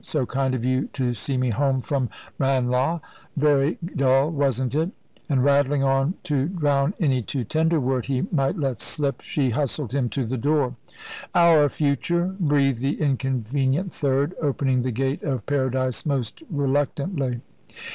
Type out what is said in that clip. So kind of you to see me home from Ranelagh! Very dull, wasn't it?" and, rattling on to drown any too tender word he might let slip, she hustled him to the door. "Our future!" breathed the inconvenient third, opening the gate of paradise most reluctantly.